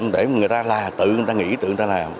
để người ta là tự người ta nghĩ tự người ta làm